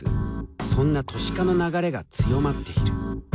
そんな都市化の流れが強まっている。